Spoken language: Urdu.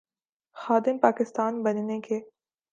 خادم پاکستان بننے کے۔